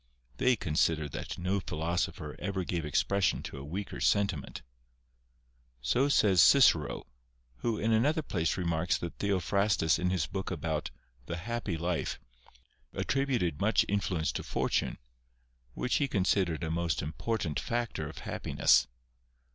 They consider that no philosopher ever gave expression to a weaker senti ment." So says Cicero, who in another place remarks that Theophrastus in his book about " The Happy Life," attributed much influence to fortune, which he considered a most important factor of happiness.